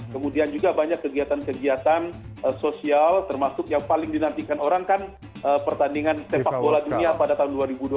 kemudian juga banyak kegiatan kegiatan sosial termasuk yang paling dinantikan orang kan pertandingan sepak bola dunia pada tahun dua ribu dua puluh